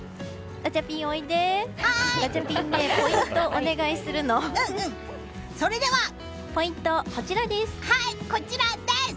ガチャピンにポイントはこちらです！